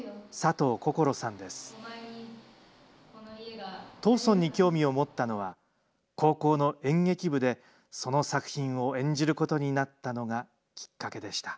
藤村に興味を持ったのは、高校の演劇部でその作品を演じることになったのがきっかけでした。